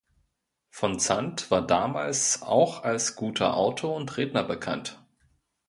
Van Zandt war damals auch als guter Autor und Redner bekannt.